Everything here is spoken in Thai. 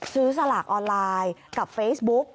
สลากออนไลน์กับเฟซบุ๊ก